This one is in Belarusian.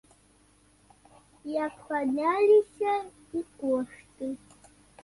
Як падняліся і кошты.